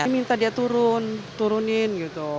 minta dia turun turun